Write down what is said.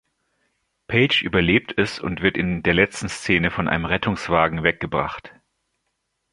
Paige überlebt es und wird in der letzten Szene von einem Rettungswagen weggebracht.